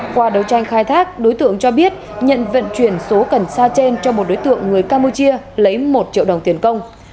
qua đấu tranh khai thác đối tượng cho biết nhận vận chuyển số cần sa trên cho một đối tượng người campuchia lấy một triệu đồng tiền công